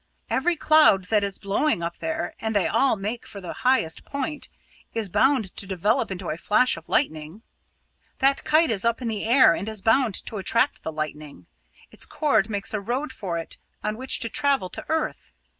Every cloud that is blowing up here and they all make for the highest point is bound to develop into a flash of lightning. That kite is up in the air and is bound to attract the lightning. Its cord makes a road for it on which to travel to earth.